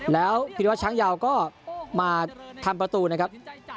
แล้วพิรวัชช้างยาวก็มาทำประตูนะครับ